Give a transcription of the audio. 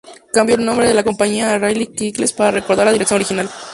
Cambió el nombre de la compañía a Raleigh Cycles para recordar la dirección original.